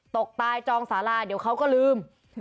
ตกตายจองสาราเดี๋ยวเขาก็ลืม